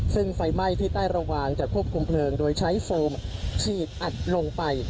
ซึ่งไฟไหม้ที่ใต้ระวังจะควบคุมเพลิงโดยใช้โฟมฉีดอัดลงไป